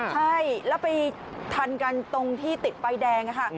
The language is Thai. ใช่แล้วไปทันกันตรงที่ติดไฟแดงค่ะ